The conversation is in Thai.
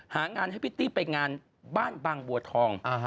หางานให้พิตตี้ไปงานบ้านบางบัวทอง